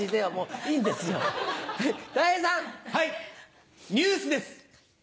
はい。